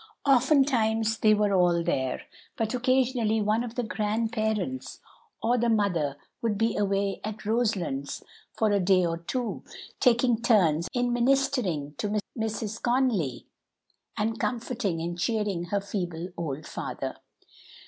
Oftentimes they were all there, but occasionally one of the grandparents or the mother would be away at Roselands for a day or two, taking turns in ministering to Mrs. Conly, and comforting and cheering her feeble old father.